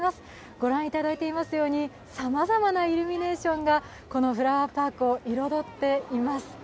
御覧いただいていますようにさまざまなイルミネーションがこのフラワーパークを彩っています。